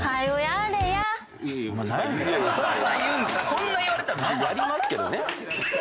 そんな言われたら別にやりますけどね。